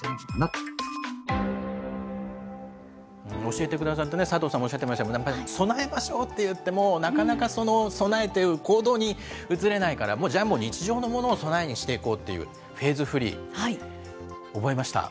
教えてくださった佐藤さんもおっしゃってましたが、備えましょうって言っても、なかなか備えという行動に移れないから、じゃあ、もう日常のものを備えにしていこうという、フェーズフリー、覚えました。